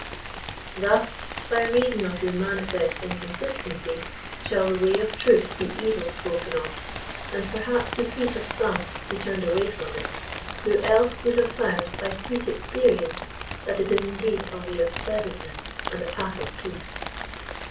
'* Thus by reason of your manifest inconsistency shall the way of truth be evil spoken of, and perhaps the feet of some be turned away from it, who else would have found by sweet ex perience that it is indeed a way of pleasantness and a path of peace.